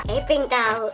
eh ping tau